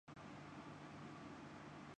زرداری صاحب نے کیا تو ان کا انجام ہمارے سامنے ہے۔